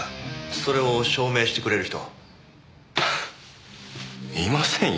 それを証明してくれる人は？はあいませんよ。